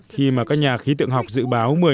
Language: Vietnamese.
khi mà các nhà khí tượng học dự báo